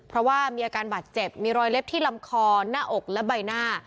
เพราะว่ามีอาการบาดเจ็บมีรอยเล็บที่ลำคอหน้าอกและใบหน้า